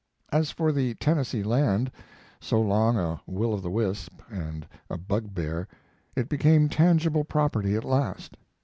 As for the Tennessee land, so long a will o'the wisp and a bugbear, it became tangible property at last.